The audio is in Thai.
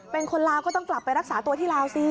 เป็นคนลาวก็ต้องกลับไปรักษาตัวที่ลาวสิ